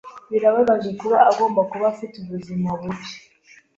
Birababaje kuba agomba kuba afite ubuzima bubi.